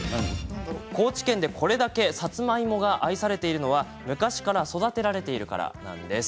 高知県でこれだけさつまいもが愛されているのは昔から育てられているからなんです。